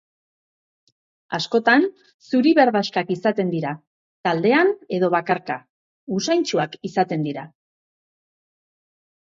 Askotan, zuri-berdaxkak izaten dira, taldean edo bakarka; usaintsuak izaten dira.